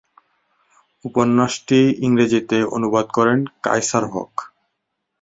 উপন্যাসটি ইংরেজিতে অনুবাদ করেন কায়সার হক।